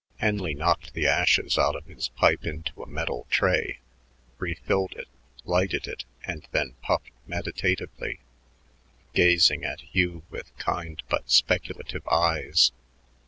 Henley knocked the ashes out of his pipe into a metal tray, refilled it, lighted it, and then puffed meditatively, gazing at Hugh with kind but speculative eyes.